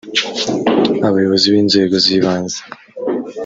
abayobozi b inzego z ibanze